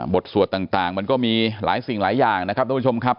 สวดต่างมันก็มีหลายสิ่งหลายอย่างนะครับทุกผู้ชมครับ